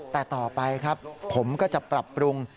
แต่ต่อไปครับผมก็จะปรับปรุง